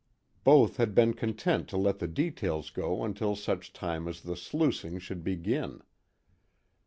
Both had been content to let the details go until such time as the sluicing should begin.